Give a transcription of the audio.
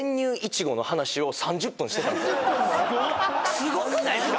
すごくないですか